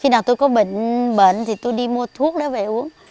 khi nào tôi có bệnh thì tôi đi mua thuốc để về uống